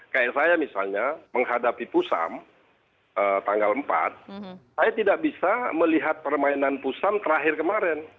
kayak saya misalnya menghadapi pusam tanggal empat saya tidak bisa melihat permainan pusam terakhir kemarin